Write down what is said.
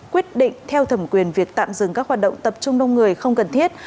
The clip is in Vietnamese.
quyết định theo thẩm quyền việc tạm dừng các hoạt động tập trung đông người không cần thiết